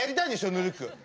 ぬるく。